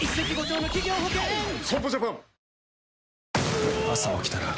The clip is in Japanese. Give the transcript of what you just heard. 損保ジャパン